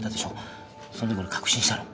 そのとき俺確信したの。